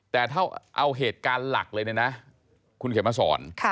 แต่ถ้าเอาเหตุการณ์หลักเลยเนี่ยนะคุณเขียนมาสอน